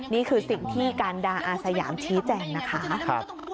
นี่คือสิ่งที่การดาอาสยามชี้แจงนะคะ